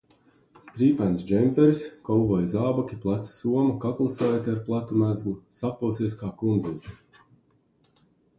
Strīpains džemperis, kovboja zābaki, plecu soma, kaklasaite ar platu mezglu - saposies kā kundziņš.